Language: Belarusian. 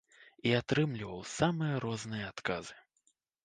І атрымліваў самыя розныя адказы.